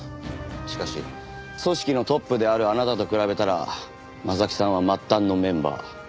しかし組織のトップであるあなたと比べたら征木さんは末端のメンバー。